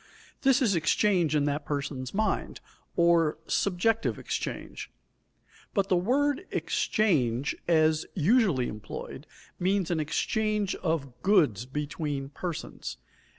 This is exchange in that person's mind, or subjective exchange. But the word "exchange" as usually employed means an exchange of goods between persons.